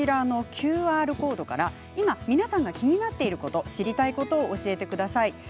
ＱＲコードから今、皆さんが気になっていること知りたいことを教えてください。